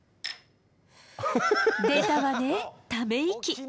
出たわねため息！